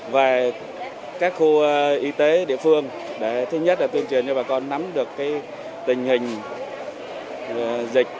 và các khu y tế địa phương để thứ nhất là tuyên truyền cho bà con nắm được tình hình dịch